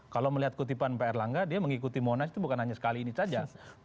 kalau melihat kutipan pak erlangga dia mengikuti monas itu bukan hanya sekali ini saja